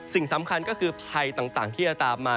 สิ่งสำคัญก็คือภัยต่างที่จะตามมา